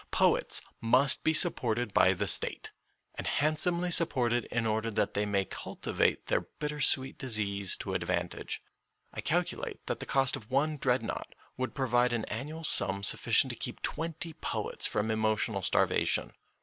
Poets must be supported by the State, and handsomely sup ported in order that they may cultivate their bitter sweet disease to advantage. I calculate that the cost of one Dreadnought would pro vide an annual sum sufficient to keep twenty 64 MONOLOGUES poets from emotional starvation.